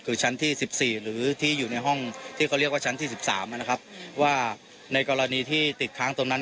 คือชั้นที่๑๔หรือที่อยู่ในห้องที่เขาเรียกว่าชั้นที่๑๓นะครับว่าในกรณีที่ติดค้างตรงนั้น